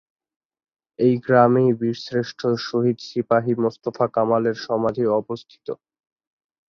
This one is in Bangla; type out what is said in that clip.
এ গ্রামেই বীরশ্রেষ্ঠ শহীদ সিপাহী মোস্তফা কামালের সমাধি অবস্থিত।